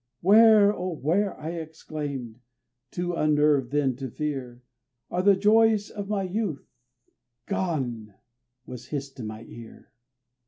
"Where, oh! where," I exclaimed (too unnerved then to fear), "Are the joys of my youth?" "Gone," was hissed in my ear.